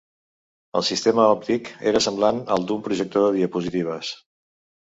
El sistema òptic era semblant al d'un projector de diapositives.